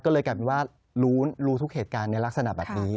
ก็เลยกลายเป็นว่ารู้ทุกเหตุการณ์ในลักษณะแบบนี้